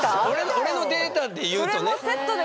俺のデータでいうとね。